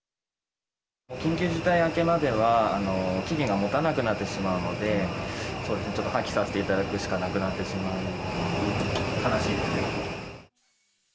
緊急事態明けまでは、期限がもたなくなってしまうので、破棄させていただくしかなくなってしまう、悲しいですけれども。